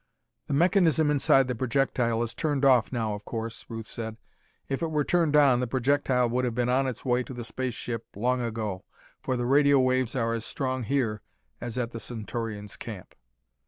"The mechanism inside the projectile is turned off now, of course," Ruth said. "If it were turned on, the projectile would have been on its way to the space ship long ago, for the radio waves are as strong here as at the Centaurians' camp."